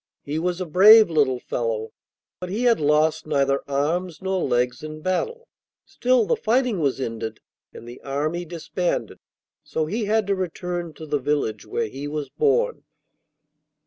He was a brave little fellow, but he had lost neither arms nor legs in battle. Still, the fighting was ended and the army disbanded, so he had to return to the village where he was born.